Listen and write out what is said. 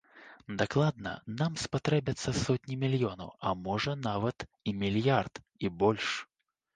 Дакладна, нам спатрэбяцца сотні мільёнаў, а можа нават і мільярд, і больш.